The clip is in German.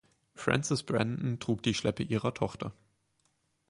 Frances Brandon trug die Schleppe ihrer Tochter.